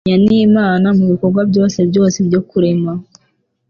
Mfatanya n’Imana mu bikorwa byayo byose byo kurema